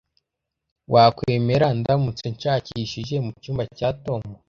Wakwemera ndamutse nshakishije mucyumba cya Tom